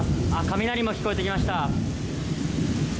雷も聞こえてきました。